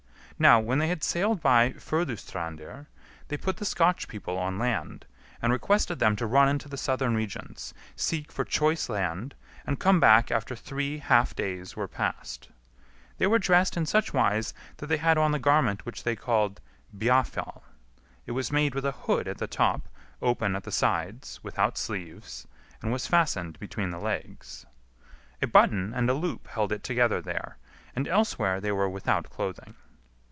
Now, when they had sailed by Furdustrandir, they put the Scotch people on land, and requested them to run into the southern regions, seek for choice land, and come back after three half days[C] were passed. They were dressed in such wise that they had on the garment which they called biafal. It was made with a hood at the top, open at the sides, without sleeves, and was fastened between the legs. A button and a loop held it together there; and elsewhere they were without clothing.